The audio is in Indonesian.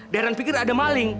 darren pikir ada maling